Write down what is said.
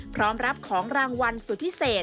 พร้อมรับของรางวัลสุดพิเศษ